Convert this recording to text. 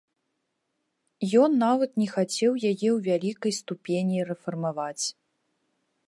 Ён нават не хацеў яе ў вялікай ступені рэфармаваць.